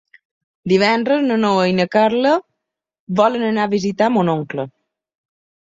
Divendres na Noa i na Carla volen anar a visitar mon oncle.